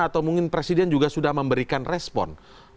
atau mungkin presiden juga sudah memberikan respon